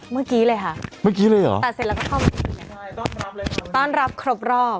เมื่อกี้เลยค่ะเมื่อกี้เลยเหรอตัดเสร็จแล้วก็เข้ามาต้อนรับครบรอบ